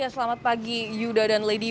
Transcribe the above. selamat pagi yuda dan lady